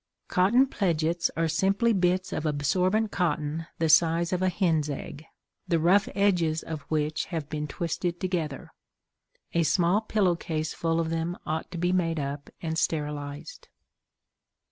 Cotton pledgets are simply bits of absorbent cotton the size of a hen's egg, the rough edges of which have been twisted together. A small pillow case full of them ought to be made up and sterilized.